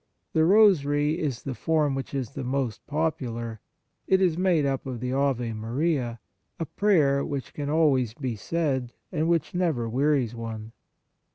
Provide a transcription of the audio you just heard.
The Rosary is the form which is the most popular ; it is made up of the Ave Maria, a prayer which can always be said, and which never wearies one.